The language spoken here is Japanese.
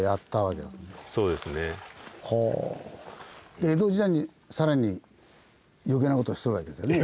で江戸時代に更に余計なことしてるわけですよね。